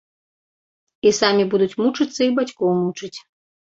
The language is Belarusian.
І самі будуць мучыцца і бацькоў мучыць.